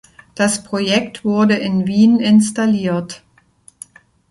Das Projekt wurde in Wien installiert.